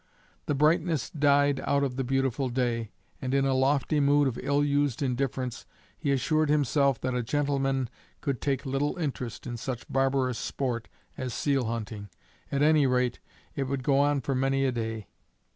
The brightness died out of the beautiful day, and in a lofty mood of ill used indifference he assured himself that a gentleman could take little interest in such barbarous sport as seal hunting. At any rate, it would go on for many a day.